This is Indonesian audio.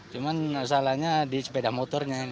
cuman masalahnya di sepeda motornya ini